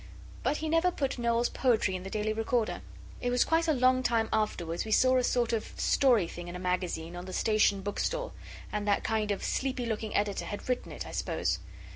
But he never put Noel's poetry in the Daily Recorder. It was quite a long time afterwards we saw a sort of story thing in a magazine, on the station bookstall, and that kind, sleepy looking Editor had written it, I suppose.